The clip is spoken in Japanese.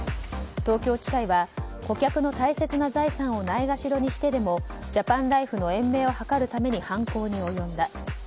東京地裁は顧客の大切な財産をないがしろにしてでもジャパンライフの延命を図るために犯行に及んだ。